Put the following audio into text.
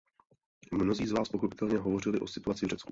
Mnozí z vás pochopitelně hovořili o situaci v Řecku.